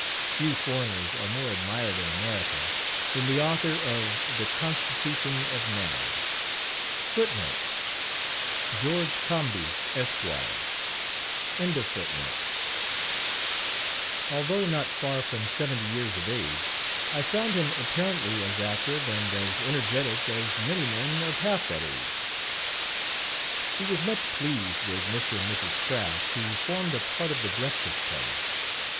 Few foreigners are more admired in America, than the author of "The Constitution of Man."[B] Although not far from 70 years of age, I found him apparently as active and as energetic as many men of half that age. He was much pleased with Mr. and Mrs. Craft, who formed a part of the breakfast party.